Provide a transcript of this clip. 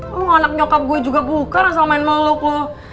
lu anak nyokap gue juga bukan langsung main meluk lu